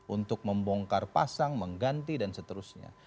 untuk membongkar pasang mengganti dan seterusnya